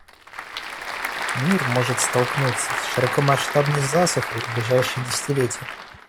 Мир может столкнуться с широкомасштабной засухой в ближайшие десятилетия.